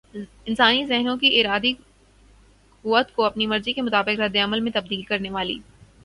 انسانی ذہنوں کی ارادی قوت کو اپنی مرضی کے مطابق ردعمل میں تبدیل کرنے والی